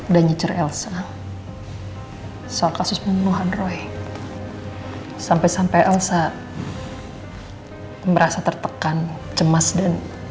dan nyicer elsa soal kasus pembunuhan roy sampai sampai elsa merasa tertekan cemas dan